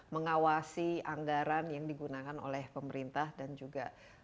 mengawasi anggaran yang digunakan oleh pemerintah dan juga